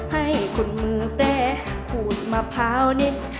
ให้คุณมือแปรขูดมะพร้าวนิด